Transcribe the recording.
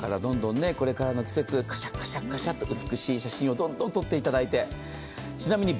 どんどんこれからの季節、パシャパシャパシャと美しい写真をどんどん撮っていただいて。